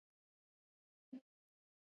افغانستان د کلي د ساتنې لپاره قوانین لري.